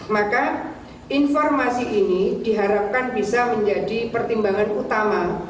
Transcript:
maka informasi ini diharapkan bisa menjadi pertimbangan utama